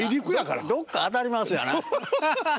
どっか当たりますやん。